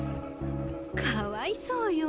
かわいそうよ